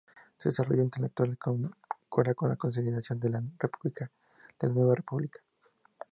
Su desarrollo intelectual concuerda con la consolidación de la nueva república.